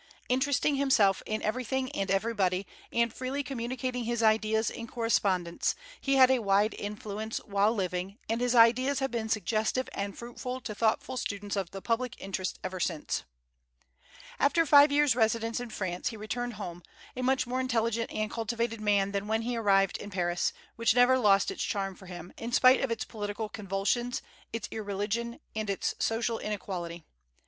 Interesting himself in everything and everybody, and freely communicating his ideas in correspondence, he had a wide influence while living, and his ideas have been suggestive and fruitful to thoughtful students of the public interest ever since. After five years' residence in France, he returned home, a much more intelligent and cultivated man than when he arrived in Paris, which never lost its charm for him, in spite of its political convulsions, its irreligion, and its social inequality.